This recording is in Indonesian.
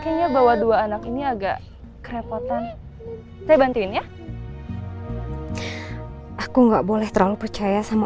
kayaknya bawa dua anak ini agak kerepotan saya bantuin ya aku nggak boleh terlalu percaya sama